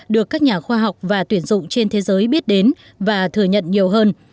được các nhà khoa học và tuyển dụng trên thế giới biết đến và thừa nhận nhiều hơn